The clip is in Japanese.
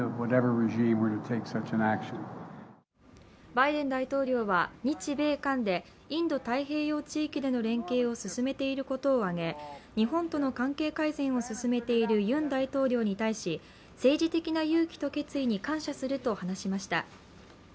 バイデン大統領は日米韓でインド太平洋地域での連携を進めていることを挙げ、日本との関係改善を進めているユン大統領に対し政治的な勇気と決意に感謝すると話しました。